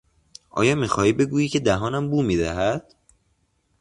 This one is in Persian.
آیا میخواهی بگویی که دهانم بو میدهد؟